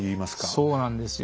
そうなんですよ。